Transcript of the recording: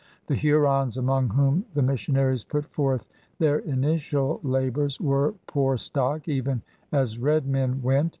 The Hurons, among whom the missionaries put forth their initial labors, were poor stock, even as red men went.